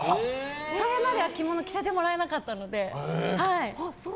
それまでは着物着させてもらえなかったので。